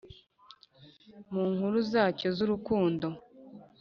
mu nkuru zacyo z’urukundo,